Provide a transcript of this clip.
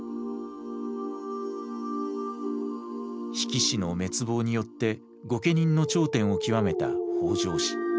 比企氏の滅亡によって御家人の頂点を極めた北条氏。